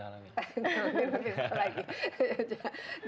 gak mungkin berusaha lagi